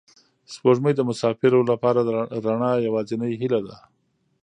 سپوږمۍ د مساپرو لپاره د رڼا یوازینۍ هیله ده.